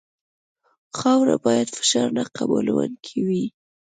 خاوره باید فشار نه قبلوونکې وي